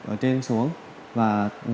ở trên xuống và